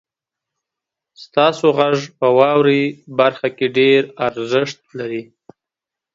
ستاسو غږ په واورئ برخه کې ډیر ارزښت لري.